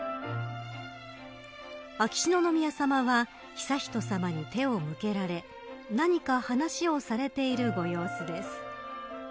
秋篠宮さまは悠仁さまに手を向けられ何か話をされているご様子です。